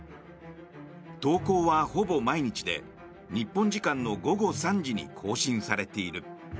投稿はほぼ毎日で日本時間の午後３時に更新されている。